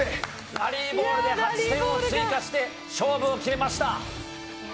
ラリーボールで８点を追加して勝負を決めました。